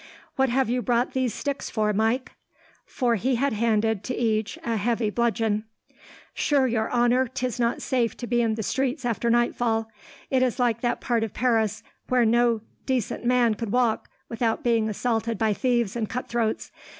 "What have you brought these sticks for, Mike?" For he had handed, to each, a heavy bludgeon. "Sure, your honour, 'tis not safe to be in the streets after nightfall. It is like that part of Paris where no dacent man could walk, without being assaulted by thieves and cutthroats.